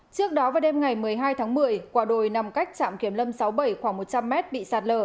trước đó vào đêm ngày một mươi hai tháng một mươi quả đồi nằm cách trạm kiểm lâm sáu mươi bảy khoảng một trăm linh mét bị sạt lở